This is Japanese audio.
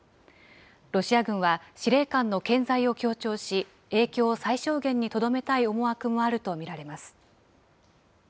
ロシア軍は司令官の健在を強調し、影響を最小限にとどめたい思惑もあると見られます。